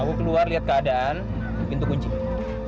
aku keluar lihat keadaan pintu kunci oke